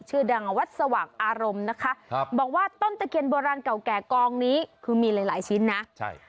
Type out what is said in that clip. ชื่อดังวัดสว่างอารมณ์นะคะครับบอกว่าต้นตะเคียนโบราณเก่าแก่กองนี้คือมีหลายหลายชิ้นนะใช่